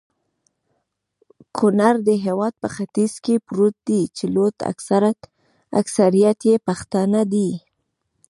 کونړ د هيواد په ختیځ کي پروت دي.چي لوي اکثريت يي پښتانه دي